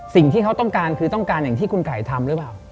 สิ่งที่เขาต้องการคือต้องการอย่างที่คุณไก่ทำหรือเปล่า